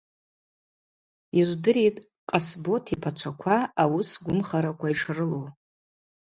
Йыжвдыритӏ Къасбот йпачваква ауыс гвымхараква йшрылу.